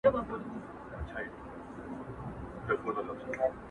ما یې پر ګودر ټوټې لیدلي د بنګړیو!.